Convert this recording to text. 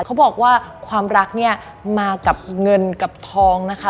เขาบอกว่าความรักเนี่ยมากับเงินกับทองนะคะ